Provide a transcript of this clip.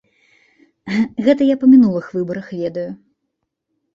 Гэта я па мінулых выбарах ведаю.